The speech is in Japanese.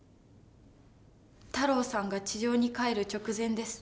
太郎さんが地上に帰る直前です。